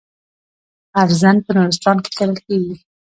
ارزن په نورستان کې کرل کیږي.